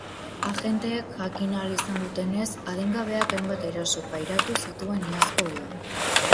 Agenteek jakin ahal izan dutenez, adingabeak hainbat eraso pairatu zituen iazko udan.